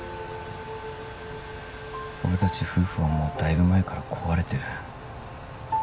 俺達夫婦はもうだいぶ前から壊れてる